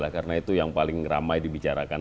karena itu yang paling ramai dibicarakan